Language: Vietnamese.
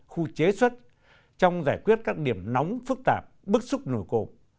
khu chế xuất trong giải quyết các điểm nóng phức tạp bức xúc nổi cộp